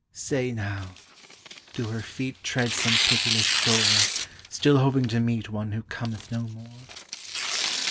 Say, now, do her feet Tread some pitiless shore, Still hoping to meet One who cometh no more?